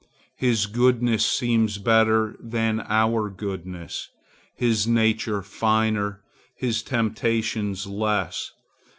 His goodness seems better than our goodness, his nature finer, his temptations less.